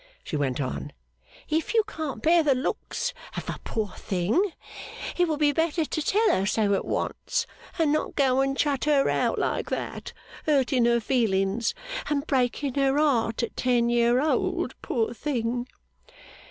she went on. 'If you can't bear the looks of a poor thing, it would be better to tell her so at once, and not go and shut her out like that, hurting her feelings and breaking her heart at ten year old, poor thing!